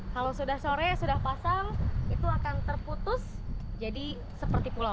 kalau sudah sore sudah pasang itu akan terputus jadi seperti pulau